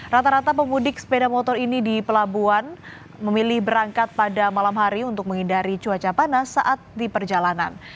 rata rata pemudik sepeda motor ini di pelabuhan memilih berangkat pada malam hari untuk menghindari cuaca panas saat di perjalanan